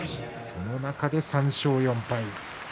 その中で３勝４敗。